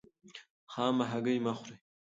خامه هګۍ مه خورئ.